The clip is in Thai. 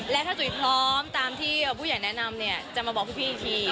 และถ้าจุ๋ยพร้อมตามที่ผู้ใหญ่แนะนำเนี่ยจะมาบอกพวกพี่อีกที